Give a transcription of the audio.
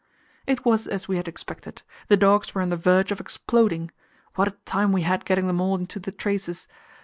It was as we had expected: the dogs were on the verge of exploding. What a time we had getting them all into the traces!